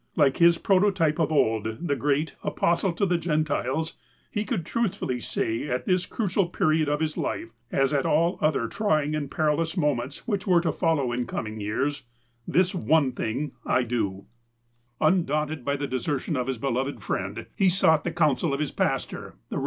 Like his prototype of old, the great '' Apostle to the Gentiles," he could truthfully say, at this crucial period of his life, as at all other trying and perilous moments which were to follow in coming years : "This 07ie thing I do." 18 THE APOSTLE OF ALASKA Undaunted by the desertion of bis beloved friend, he sought the counsel of his pastor, the Kev.